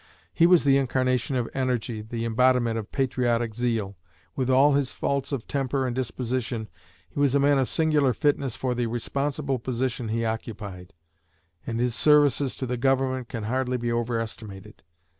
He was the incarnation of energy, the embodiment of patriotic zeal. With all his faults of temper and disposition, he was a man of singular fitness for the responsible position he occupied, and his services to the Government can hardly be overestimated.